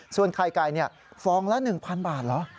ส่วนไข่ไก่ฟองละ๑๐๐บาทเหรอ